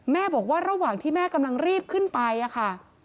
บอกว่าระหว่างที่แม่กำลังรีบขึ้นไปค่ะ